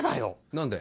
何で？